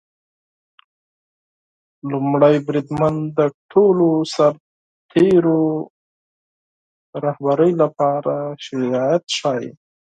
لومړی بریدمن د ټولو سرتیرو د رهبری لپاره شجاعت ښيي.